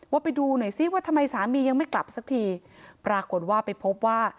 ไปดูหน่อยซิว่าทำไมสามียังไม่กลับสักทีปรากฏว่าไปพบว่า